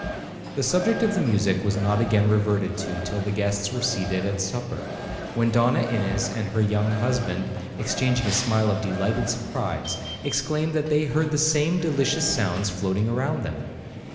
The subject of the music was not again reverted to till the guests were seated at supper, when Donna Ines and her young husband, exchanging a smile of delighted surprise, exclaimed they heard the same delicious sounds floating round them.